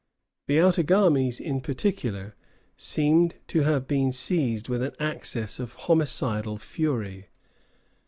The Outagamies, in particular, seem to have been seized with an access of homicidal fury.